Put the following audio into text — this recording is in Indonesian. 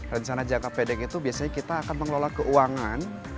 rencana jangka pendek itu biasanya kita akan mengelola keuangan